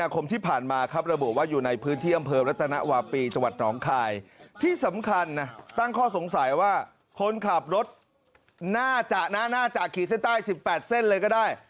คนขับรถน่าจะน่าน่าจะขี่เส้นใต้๑๘เส้นเลยก็ได้